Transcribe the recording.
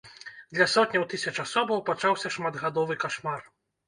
Для сотняў тысяч асобаў пачаўся шматгадовы кашмар.